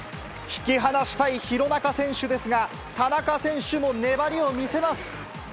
引き離したい廣中選手ですが、田中選手も粘りを見せます。